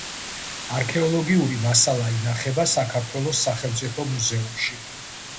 არქეოლოგიური მასალა ინახება საქართველოს სახელმწიფო მუზეუმში.